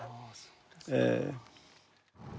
ええ。